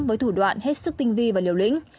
với thủ đoạn hết sức tinh vi và liều lĩnh